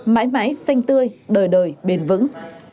mãi mãi xanh tươi đời đời bền vững